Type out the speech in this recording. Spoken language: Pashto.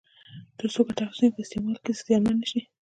ترڅو ګټه اخیستونکي په استعمال کې زیانمن نه شي.